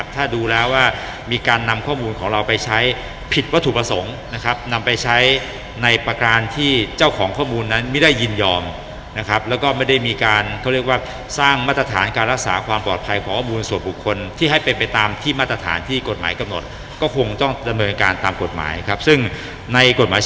ถ้าดูแล้วว่ามีการนำข้อมูลของเราไปใช้ผิดวัตถุประสงค์นะครับนำไปใช้ในประการที่เจ้าของข้อมูลนั้นไม่ได้ยินยอมนะครับแล้วก็ไม่ได้มีการเขาเรียกว่าสร้างมาตรฐานการรักษาความปลอดภัยของข้อมูลส่วนบุคคลที่ให้เป็นไปตามที่มาตรฐานที่กฎหมายกำหนดก็คงต้องดำเนินการตามกฎหมายครับซึ่งในกฎหมาย